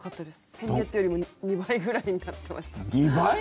先月よりも２倍ぐらいになってました。